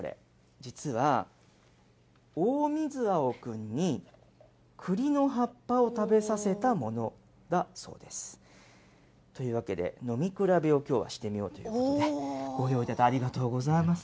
実は、オオミズアオくんにクリの葉っぱを食べさせたものだそうです。というわけで、飲み比べをきょうはしてみようと思いましてね、ご用意いただいてありがとうございます。